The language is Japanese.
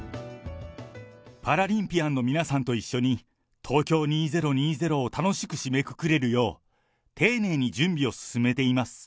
パラリンピアンの皆さんと一緒に、東京２０２０を楽しく締めくくれるよう、丁寧に準備を進めています。